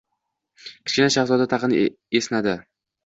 Kichkina shahzoda tag‘in esnadi.